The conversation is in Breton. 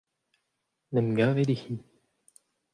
en em gavet eo-hi.